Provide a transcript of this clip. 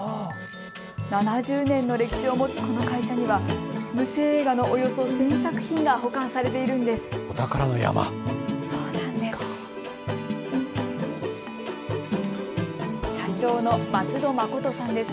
７０年の歴史を持つこの会社には無声映画のおよそ１０００作品が保管されているんです。